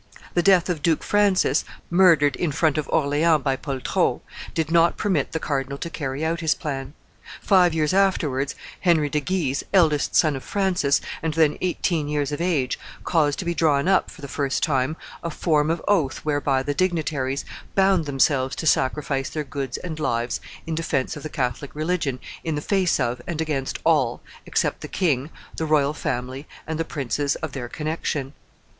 The death of Duke Francis, murdered in front of Orleans by Poltrot, did not permit the cardinal to carry out his plan. Five years afterwards, Henry de Guise, eldest son of Francis, and then eighteen years of age, caused to be drawn up, for the first time, a form of oath whereby the dignitaries bound themselves to sacrifice their goods and lives in defence of the Catholic religion in the face of and against all, except the king, the royal family, and the princes of their connection.